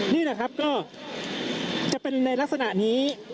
นี่แหละครับก็จะเป็นในลักษณะนี้